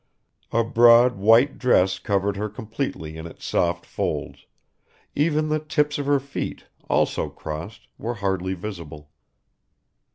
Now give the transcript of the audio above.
A broad white dress covered her completely in its soft folds; even the tips of her feet, also crossed, were hardly visible.